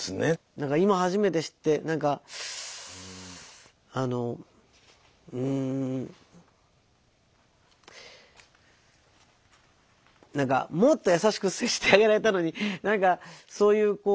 何か今初めて知って何かあのうん何かもっと優しく接してあげられたのに何かそういうこう。